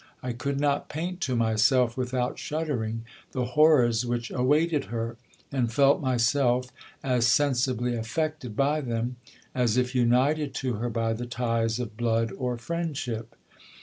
I could not paint to myself, without shud GIL BLAS. dering, the horrors which awaited her ; and felt myself as sensibly affected by them, as if united to her by the ties of blood or friendship.